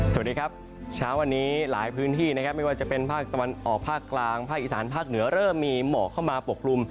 สวัสดีครับเช้าวันนี้หลายพื้นที่นะครับไม่ว่าจะเป็นภาคตะวันออกภาคกลางภาคอีสานภาคเหนือเริ่มมีหมอกเข้ามาปกคลุม